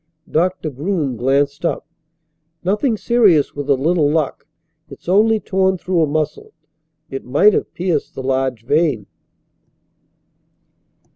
Doctor Groom glanced up. "Nothing serious with a little luck. It's only torn through a muscle. It might have pierced the large vein."